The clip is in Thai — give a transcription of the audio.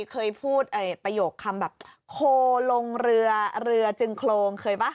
เคยพูดประโยคคำแบบโคลงเรือเรือจึงโครงเคยป่ะ